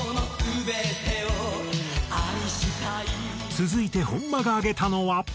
続いて本間が挙げたのは。